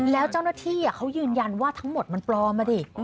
แล้วเจ้าหน้าที่เขายืนยันว่าทั้งหมดมันปลอมอ่ะดิ